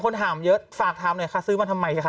ถามเยอะฝากถามหน่อยค่ะซื้อมาทำไมสิคะ